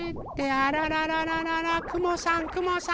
あららららららくもさんくもさん！